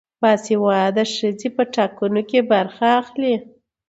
باسواده ښځې په ټاکنو کې برخه اخلي.